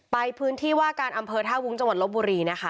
ไปพื้นที่ว่าการอำเภอท่าวุ้งจังหวัดลบบุรีนะคะ